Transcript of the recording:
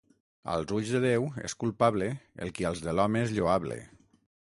Als ulls de Déu és culpable el qui als de l'home és lloable.